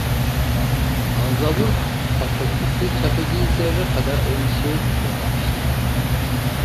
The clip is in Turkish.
Anzavur patırtısı, Çakıcı'yı zerre kadar endişeye düşürmemişti.